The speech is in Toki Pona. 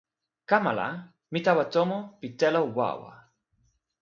kama la, mi tawa tomo pi telo wawa.